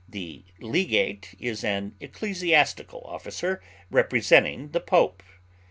The legate is an ecclesiastical officer representing the Pope.